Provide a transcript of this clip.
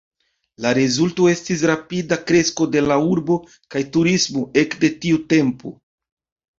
La rezulto estis rapida kresko de la urbo kaj turismo ek de tiu tempo.